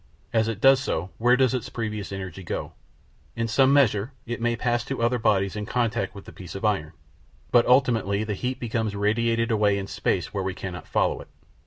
As it does so, where does its previous energy go? In some measure it may pass to other bodies in contact with the piece of iron, but ultimately the heat becomes radiated away in space where we cannot follow it.